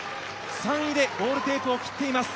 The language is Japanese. ３位でゴールテープを切っています